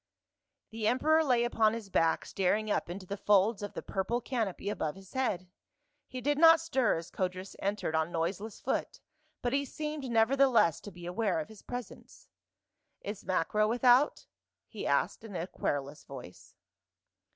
The emperor lay upon his back staring up into the folds of the purple canopy above his head, he did not stir as Codrus entered on noiseless foot but he seemed nevertheless to be aware of his presence. " Is Macro without?" he asked in a querulous voice.